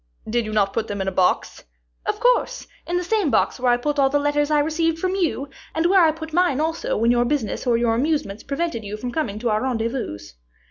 "Did you not put them in a box?" "Of course; in the same box where I put all the letters I received from you, and where I put mine also when your business or your amusements prevented you from coming to our rendezvous."